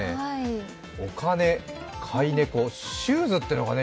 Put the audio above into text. お金、飼い猫、シューズってのがね